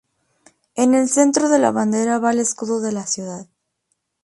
En el centro de la bandera va el escudo de la ciudad.